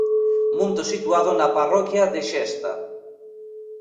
Monte situado na parroquia de Xesta.